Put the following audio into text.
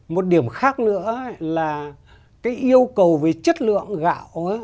một điểm khác nữa là cái yêu cầu về chất lượng gạo